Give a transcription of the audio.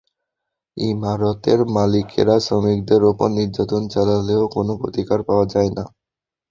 ইমারতের মালিকেরা শ্রমিকদের ওপর নির্যাতন চালালেও কোনো প্রতিকার পাওয়া যায় না।